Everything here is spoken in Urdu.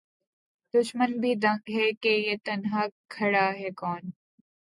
دُشمن بھی دنگ ہے کہ یہ تنہا کھڑا ہے کون